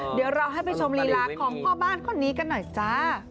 เดี๋ยวเราให้ไปชมลีลาของพ่อบ้านคนนี้กันหน่อยจ้า